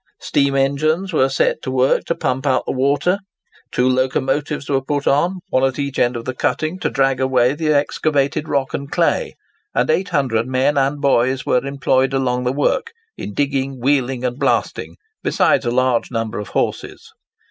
Steam engines were set to work to pump out the water; two locomotives were put on, one at each end of the cutting, to drag away the excavated rock and clay; and 800 men and boys were employed along the work, in digging, wheeling, and blasting, besides a large number of horses.